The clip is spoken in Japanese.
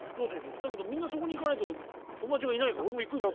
だけどみんなそこに行かないと友達がいないから俺も行くんだよ。